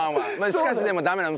しかしでもダメなの。